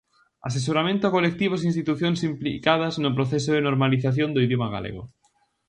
Asesoramento a colectivos e institucións implicadas no proceso de normalización do idioma galego.